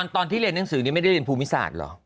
ตอนที่เรียนหนังสือนี้ไม่ได้เรียนภูมิศาสตร์เหรอ